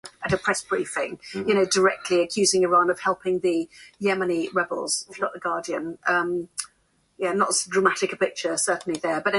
The first research project of the organization was based on the Odia language.